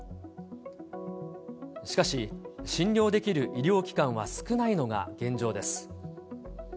しかし、診療できる医療機関は少ないのが現状です。